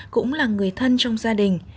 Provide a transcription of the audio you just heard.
cũng là người thân trong gia đình